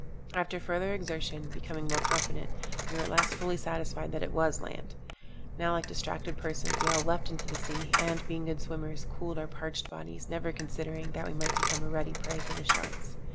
After further exertion, becoming more confident, we were at last fully satisfied that it was land. Now, like distracted persons, we all leapt into the sea, and, being good swimmers, cooled our parched bodies, never considering that we might become a ready prey to the sharks.